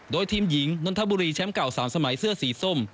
โดยทีมหญิงนนทบุรีแชมป์เก่า๓สมัยเสื้อสีส้ม